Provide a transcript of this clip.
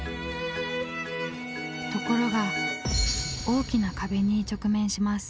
ところが大きな壁に直面します。